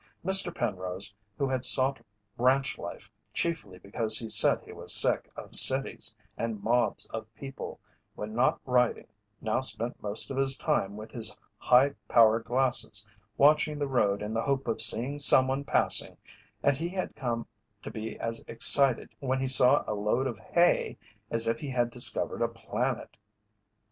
Mr. Penrose, who had sought ranch life chiefly because he said he was sick of cities and mobs of people, when not riding now spent most of his time with his high power glasses watching the road in the hope of seeing someone passing and he had come to be as excited when he saw a load of hay as if he had discovered a planet.